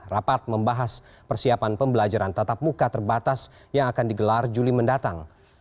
rapat membahas persiapan pembelajaran tatap muka terbatas yang akan digelar juli mendatang